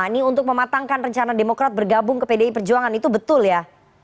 ini untuk mematangkan rencana demokrat bergabung ke pdi perjuangan itu betul ya